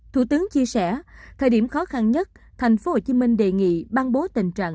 thủ tướng chia sẻ thời điểm khó khăn nhất tp hcm đề nghị ban bố tình trạng